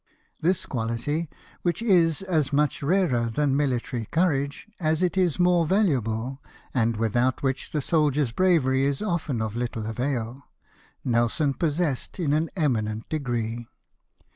This quahty, which is as much rarer than military courage as it is more valuable, and without which the soldier's bravery is often of little avail. Nelson pos sessed in an eminent degree.